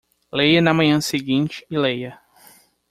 Leia na manhã seguinte e leia